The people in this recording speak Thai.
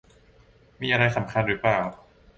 มีอะไรสำคัญหรือเปล่า